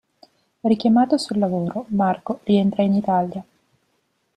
Richiamato sul lavoro, Marco rientra in Italia.